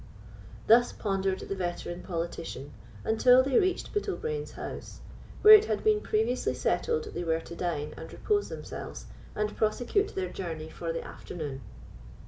Thus pondered the veteran politician, until they reached Bittlebrains House, where it had been previously settled they were to dine and repose themselves, and prosecute their journey in the afternoon.